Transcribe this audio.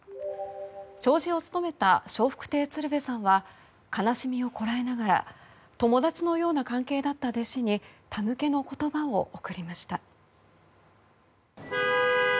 弔辞を務めた笑福亭鶴瓶さんは悲しみをこらえながら友達のような関係だった弟子に手向けの言葉を贈りました。